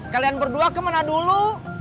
kalian berdua kemana dulu